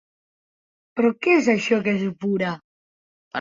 Però, què és això que supura?